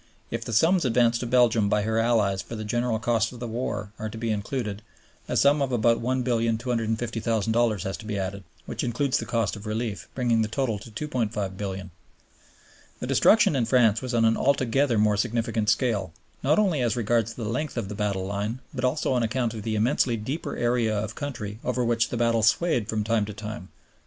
If the sums advanced to Belgium by her allies for the general costs of the war are to be included, a sum of about $1,250,000,000 has to be added (which includes the cost of relief), bringing the total to $2,500,000,000. The destruction in France was on an altogether more significant scale, not only as regards the length of the battle line, but also on account of the immensely deeper area of country over which the battle swayed from time to time.